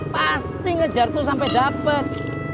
pasti ngejar tuh sampai dapet